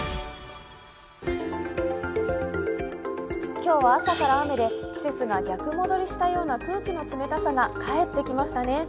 今日は朝から雨で季節が逆戻りしたような空気の冷たさが帰ってきましたね。